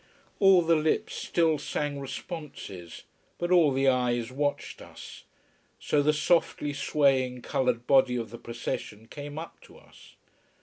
All the lips still sang responses, but all the eyes watched us. So the softly swaying coloured body of the procession came up to us.